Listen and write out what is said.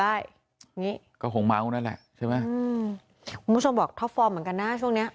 ได้นี่ก็คงมากนั่นแหละใช่ไหมคุณผู้ชมบอกท็อปฟอร์มเหมือนกันหน้าช่วงเนี้ย